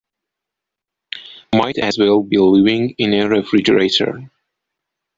Might as well be living in a refrigerator.